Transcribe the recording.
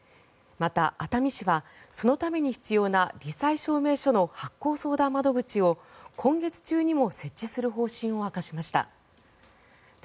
また、熱海市はそのために必要な、り災証明書の発行相談窓口を今月中にも設置する方針を明かしました。